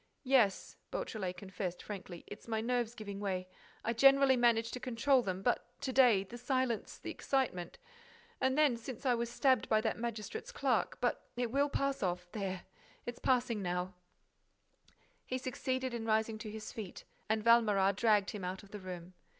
"Yes," Beautrelet confessed, frankly, "it's my nerves giving way—I generally manage to control them—but, to day, the silence—the excitement—And then, since I was stabbed by that magistrate's clerk—But it will pass off—There, it's passing now—" He succeeded in rising to his feet and Valméras dragged him out of the room.